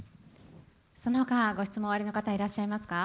そのほか、ご質問おありの方、いらっしゃいますか。